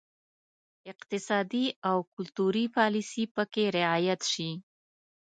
اقتصادي او کلتوري پالیسي پکې رعایت شي.